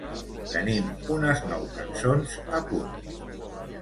Tenim unes nou cançons a punt.